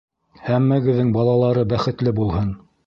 Һәммәгеҙҙең балалары бахетле булһын!